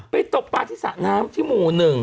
ไปตกปลาที่สระน้ำที่หมู่หนึ่ง